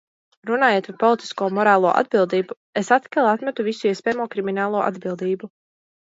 Runājot par politisko un morālo atbildību, es atkal atmetu visu iespējamo kriminālo atbildību.